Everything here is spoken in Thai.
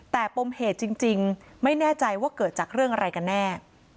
แต่ปมเหตุจริงไม่แน่ใจว่าเกิดจากเรื่องอะไรกันแน่